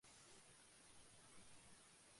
তার আগে তোমার চোখ বন্ধ করো।